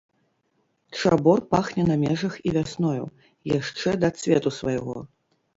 Чабор пахне на межах і вясною, яшчэ да цвету свайго.